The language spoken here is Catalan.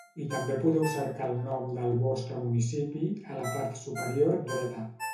I també podeu cercar el nom del vostre municipi, a la part superior dreta.